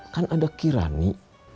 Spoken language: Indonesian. kan ada kirani